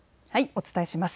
お伝えします。